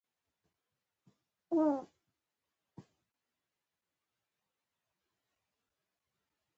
کوچیان د افغانستان په هره برخه کې موندل کېږي.